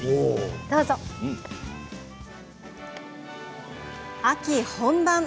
どうぞ。秋本番！